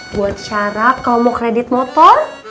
buat syarat kamu mau kredit motor